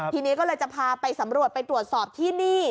ทีนี้ก็เลยจะพาไปสำรวจไปตรวจสอบที่นี่